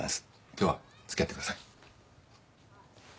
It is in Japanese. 今日は付き合ってください。